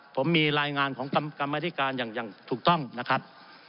ผมมีรายงานของกรรมธิการอย่างถูกต้องนะครับ